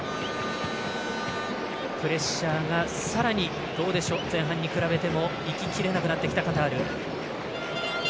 プレッシャーがさらに前半に比べてもいききれなくなってきたカタール。